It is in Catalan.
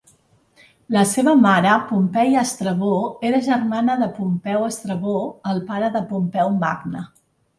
La seva mare, Pompeia Estrabó, era germana de Pompeu Estrabó, el pare de Pompeu Magne.